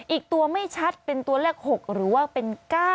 อีกตัวไม่ชัดเป็นตัวเลข๖หรือว่าเป็น๙